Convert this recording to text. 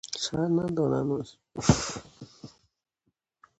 خو دوی په خوب کې هم یو فکر نشي کولای.